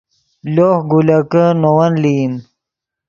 لوہ گولکے نے ون لئیم